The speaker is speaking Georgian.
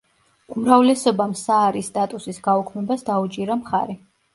უმრავლესობამ საარის სტატუსის გაუქმებას დაუჭირა მხარი.